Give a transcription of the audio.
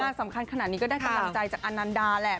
สำคัญขนาดนี้ก็ได้กำลังใจจากอนันดาแหละ